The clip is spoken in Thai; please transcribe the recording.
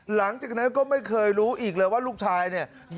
หลังจากนั้นก็ไม่เคยรู้อีกเลยว่าลูกชายเนี่ย